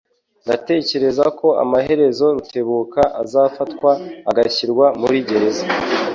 Ndatekereza ko amaherezo Rutebuka azafatwa agashyirwa muri gereza.